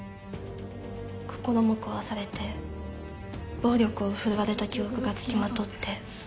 心も壊されて暴力を振るわれた記憶が付きまとって。